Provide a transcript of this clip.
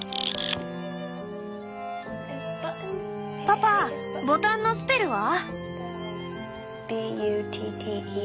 パパボタンのスペルは？